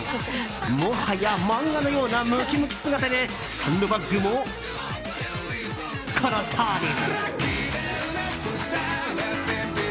もはや漫画のようなムキムキ姿でサンドバッグも、このとおり。